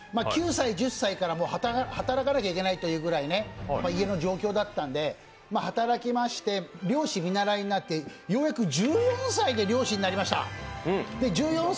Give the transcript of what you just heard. ９歳、１０歳から働かなきゃいけないという家の状況だったので働きまして漁師見習いとなりましてようやく１４歳で漁師になりました。